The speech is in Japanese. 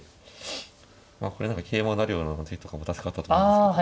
これなら桂馬成るような手とかも確かあったと思うんですけど。